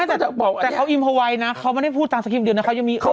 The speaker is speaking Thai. แต่เขาอิมฮาวัยนะเขาไม่ได้พูดตามสคริปเดียวนะเขายังมีอีกอัน